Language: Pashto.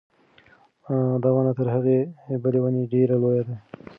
دا ونه تر هغې بلې ونې ډېره لویه ده.